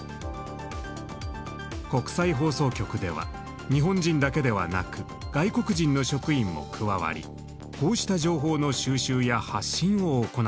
国際放送局では日本人だけではなく外国人の職員も加わりこうした情報の収集や発信を行っています。